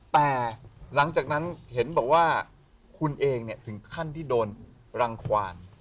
แต่หลังจากนั้นเห็นบอกว่าคุณเองถึงขั้นที่โดนรังควาน